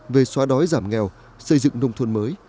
về xóa đói giảm nghèo xây dựng nông thôn mới